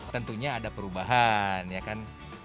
tentunya ada perubahan ya kan